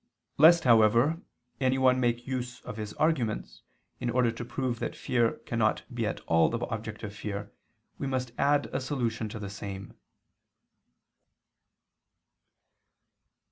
Lest, however, anyone make use of his arguments, in order to prove that fear cannot be at all be the object of fear, we must add a solution to the same.